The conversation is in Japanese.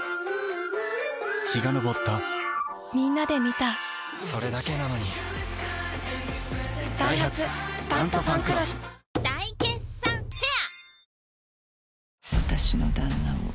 陽が昇ったみんなで観たそれだけなのにダイハツ「タントファンクロス」大決算フェア